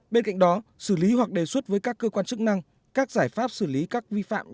bên cạnh đó xử lý hoặc đề xuất với các cơ quan chức năng các giải pháp xử lý các vi phạm